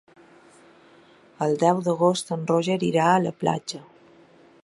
El deu d'agost en Roger irà a la platja.